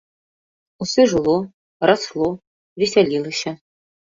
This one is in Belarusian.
Усё жыло, расло, весялілася.